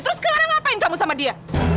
terus sekarang ngapain kamu sama dia